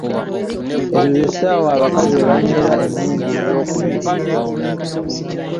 Ezo ze ssaawa abakazi webanywera emmindi ey'okubiri.